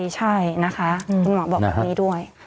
ใช่นะคะคุณหมอบอกแบบนี้ด้วย